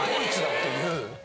っていう。